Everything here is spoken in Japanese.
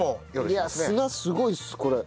いや砂すごいっすこれ。